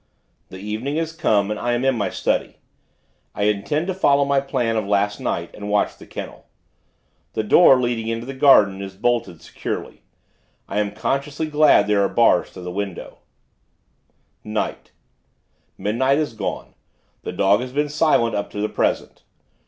The evening has come, and I am in my study. I intend to follow my plan of last night, and watch the kennel. The door, leading into the garden, is bolted, securely. I am consciously glad there are bars to the windows.... Night: Midnight has gone. The dog has been silent, up to the present.